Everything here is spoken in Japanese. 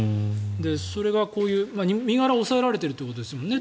それがこういう身柄を押さえられているということですよね。